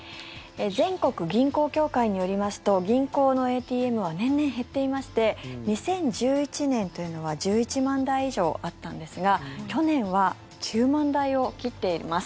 全国銀行協会によりますと銀行のＡＴＭは年々減っていまして２０１１年というのは１１万台以上あったんですが去年は９万台を切っています。